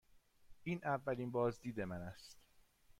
این اولین بازدید من است.